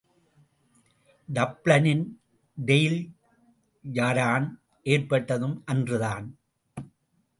டப்ளினின் Dail Eireann ஏற்பட்டதும் அன்றுதான்.